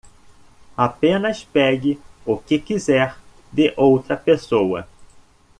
Apenas pegue o que quiser de outra pessoa